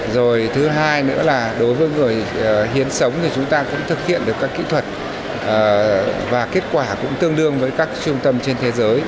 rồi thứ hai nữa là đối với người hiến sống thì chúng ta cũng thực hiện được các kỹ thuật và kết quả cũng tương đương với các trung tâm trên thế giới